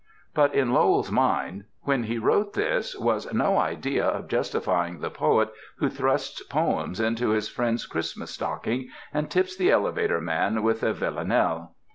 But in Lowell's mind when he wrote this was no idea of justifying the poet who thrusts poems into his friends' Christmas stocking and tips the elevator man with a villanelle.